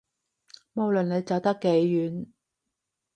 無論你走得幾遠